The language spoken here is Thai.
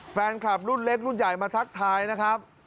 แฟนคลับรุ่นเล็กรุ่นใหญ่มาทักทายนะครับ